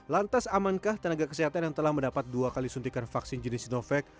lantas amankah tenaga kesehatan yang telah mendapat dua kali suntikan vaksin jenis sinovac